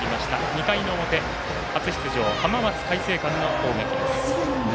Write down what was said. ２回の表、初出場浜松開誠館の攻撃です。